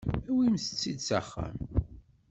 Awimt-tt-id s axxam.